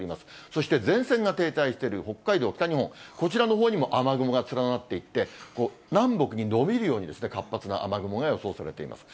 そして、前線が停滞している北海道、北日本、こちらのほうにも雨雲が連なっていって、南北に延びるように、活発な雨雲が予想されています。